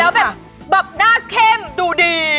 แล้วแบบหน้าเข้มดูดี